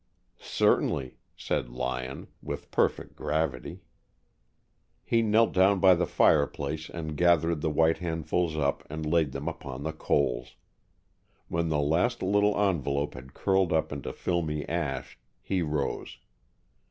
"Certainly," said Lyon, with perfect gravity. He knelt down by the fireplace and gathered the white handfuls up and laid them upon the coals. When the last little envelope had curled up into filmy ash, he rose.